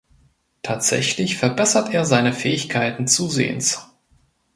Tatsächlich verbessert er seine Fähigkeiten zusehends.